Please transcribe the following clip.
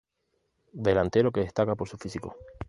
Delantero que destaca por su físico.